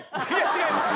違います。